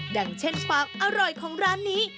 อย่างเช่นความอร่อยของร้านนี้